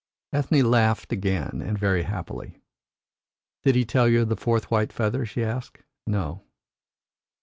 Ethne laughed again, and very happily. "Did he tell you of a fourth white feather?" she asked. "No."